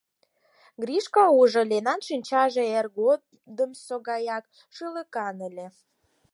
Гришка ужо: Ленан шинчаже эр годымсо гаяк шӱлыкан ыле.